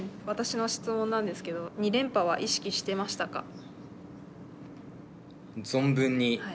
私の質問なんですけど２連覇は意識してましたか？